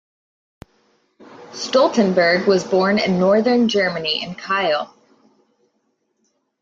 Stoltenberg was born in northern Germany in Kiel.